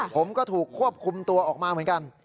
ผมก็ถูกควบคุมตัวออกมาเหมือนกัน